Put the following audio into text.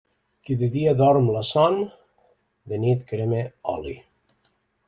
Qui de dia dorm la son, de nit crema oli.